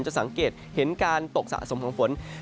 สังเกตเห็นการตกสะสมของฝน